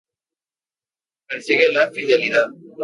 Persigue la fidelidad.